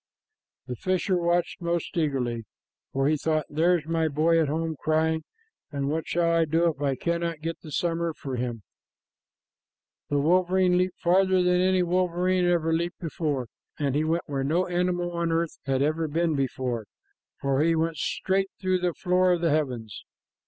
The fisher watched most eagerly, for he thought, "There's my boy at home crying, and what shall I do if I cannot get the summer for him?" The wolverine leaped farther than any wolverine ever leaped before, and he went where no animal on the earth had ever been before, for he went straight through the floor of the heavens.